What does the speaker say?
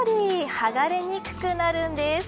剥がれにくくなるんです。